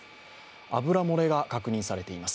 油漏れが確認されています。